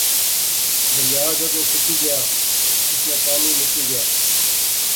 دریا جدوں سکی گیا، اس ناں پانی مکی گیا